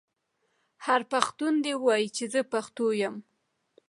هر پښتون دې ووايي چې زه پښتو یم.